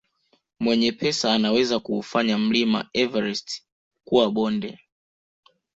Mwenye pesa anaweza kuufanya mlima everist kuwa bonde